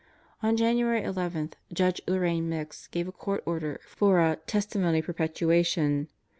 On January 11 Judge Lorrain Mix gave a court order for a "testimony perpetu ation."